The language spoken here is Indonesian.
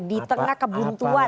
di tengah kebuntuan